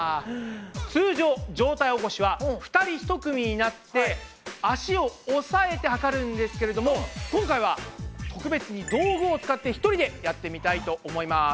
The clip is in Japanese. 通常上体起こしは２人ひと組になって脚を押さえて測るんですけれども今回は特別に道具を使って１人でやってみたいと思います。